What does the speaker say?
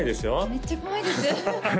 めっちゃ怖いです